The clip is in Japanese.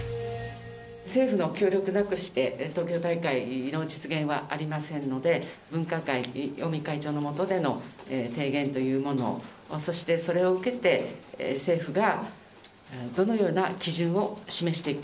政府の協力なくして東京大会の実現はありませんので、分科会、尾身会長の下での提言というもの、そして、それを受けて政府がどのような基準を示していくか。